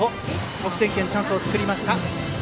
得点圏、チャンスを作りました。